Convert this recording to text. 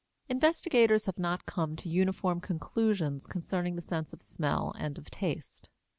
Investigators have not come to uniform conclusions concerning the sense of smell and of taste.